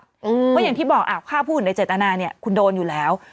เพราะอย่างที่บอกอาบค่าผู้หุ่นในเจตนาคุณโดนอยู่แล้ว